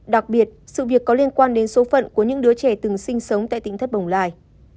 đặc biệt sự việc có liên quan đến số phận của những đứa trẻ từng sinh sống tại tỉnh thất bồng lai